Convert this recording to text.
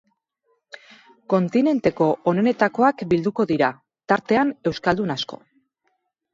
Kontinenteko onenetakoak bilduko dira, tartean euskaldun asko.